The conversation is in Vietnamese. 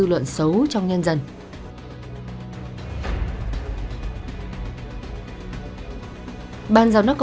nếu không tâmeduc